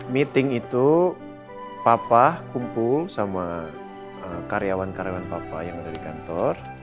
meeting itu papa kumpul sama karyawan karyawan papa yang ada di kantor